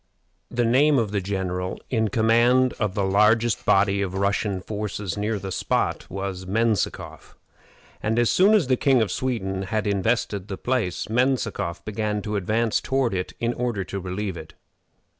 The name of the general in command of the largest body of Russian forces near the spot was Menzikoff, and as soon as the King of Sweden had invested the place, Menzikoff began to advance toward it in order to relieve it.